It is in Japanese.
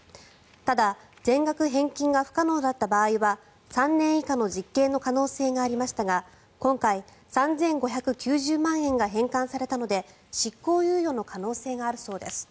ただ、全額返金が不可能だった場合は３年以下の実刑の可能性がありましたが今回、３５９０万円が返還されたので執行猶予の可能性があるそうです。